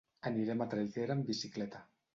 Anirem a Traiguera amb bicicleta.